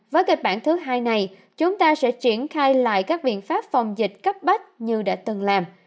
với kịch bản thứ hai này chúng ta sẽ triển khai lại các biện pháp phòng dịch cấp bách như đã từng làm